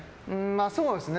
そうですね。